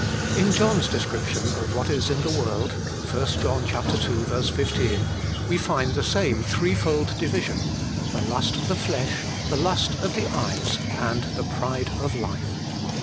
In John's descrip tion of what is in the world (1 John ii. 15), we find the same threefold division, ' the lust of the flesh, the lust of the eyes, and the pride of life.'